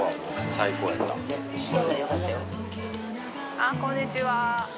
あっこんにちは。